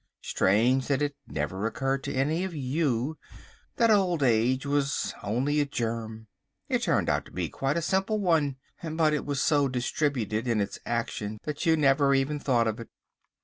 Strange that it never occurred to any of you that Old Age was only a germ! It turned out to be quite a simple one, but it was so distributed in its action that you never even thought of it."